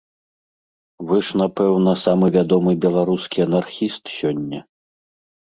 Вы ж, напэўна, самы вядомы беларускі анархіст сёння.